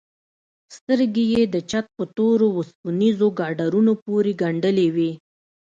سترگې يې د چت په تورو وسپنيزو ګاډرونو پورې گنډلې وې.